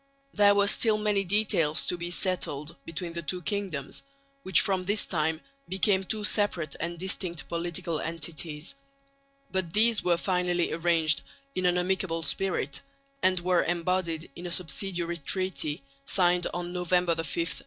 There were still many details to be settled between the two kingdoms, which from this time became two separate and distinct political entities; but these were finally arranged in an amicable spirit, and were embodied in a subsidiary treaty signed November 5, 1842.